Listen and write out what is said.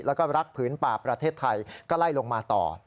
แล้วก็รักผืนป่าประเทศไทยก็ไล่ลงมาต่อ